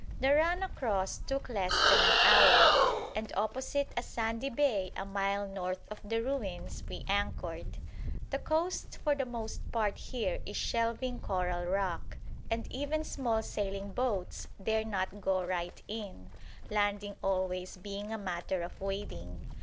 The run across took less than an hour, and opposite a sandy bay a mile north of the ruins we anchored. The coast for the most part here is shelving coral rock, and even small sailing boats dare not go right in; landing always being a matter of wading.